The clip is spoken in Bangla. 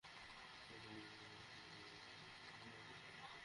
মনে করে হয়ে গেছ!